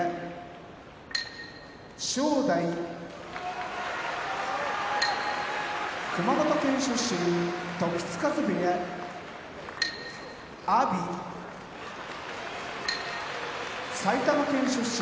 正代熊本県出身時津風部屋阿炎埼玉県出身